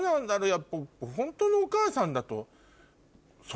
やっぱホントのお母さんだと。